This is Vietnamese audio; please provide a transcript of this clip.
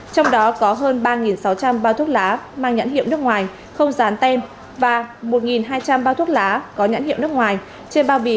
trong đó có hơn ba sáu trăm linh bao thuốc lá mang nhãn hiệu nước ngoài không dán tem và một hai trăm linh bao thuốc lá có nhãn hiệu nước ngoài